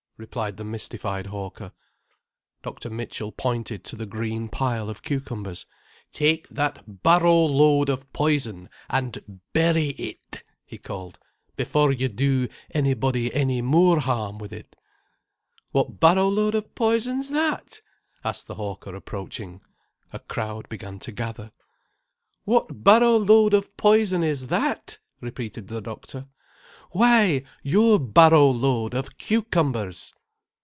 replied the mystified hawker. Dr. Mitchell pointed to the green pile of cucumbers. "Take that barrow load of poison, and bury it," he called, "before you do anybody any more harm with it." "What barrow load of poison's that?" asked the hawker, approaching. A crowd began to gather. "What barrow load of poison is that!" repeated the doctor. "Why your barrow load of cucumbers."